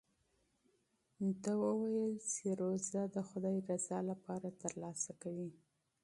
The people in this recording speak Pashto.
ده وویل چې روژه د خدای رضا ترلاسه کوي.